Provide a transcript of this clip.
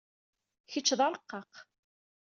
Kecc d arqaq.